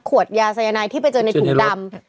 ยาสายนายที่ไปเจอในถุงดำ